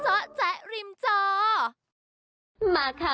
เจ้าแจ๊กริมเจ้า